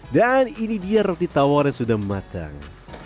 dan ini dia roti tawar yang sudah matang